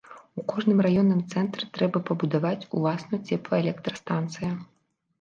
У кожным раённым цэнтры трэба пабудаваць уласную цеплаэлектрастанцыя.